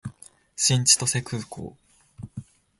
新千歳空港